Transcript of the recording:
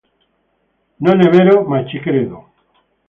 Non è vero ma ci credo